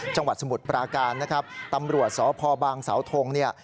จังหวัดสมุดปราการนะครับตำรวจสพบางเสาทงเนี่ย